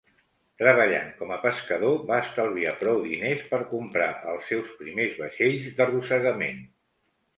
Treballant com a pescador, va estalviar prou diners per comprar els seus primers vaixells d'arrossegament.